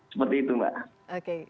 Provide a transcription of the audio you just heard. seperti itu mbak